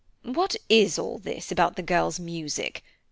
"What is all this about the girls' music?